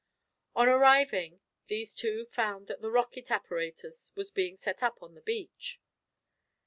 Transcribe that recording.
On arriving, these two found that the rocket apparatus was being set up on the beach.